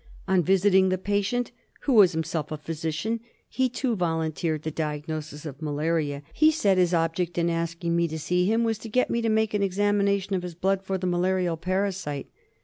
On visiting the patient, who was himself a physician, he too volunteered the diagnosis of malaria. He said his object in asking me to see him was to get me to make an examination of his blood for the malarial parasite.